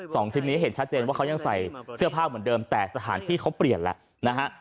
สองคลิปนี้เห็นชัดเจนว่าเขายังใส่เสื้อผ้าเหมือนเดิมแต่สถานที่เขาเปลี่ยนแล้วนะฮะ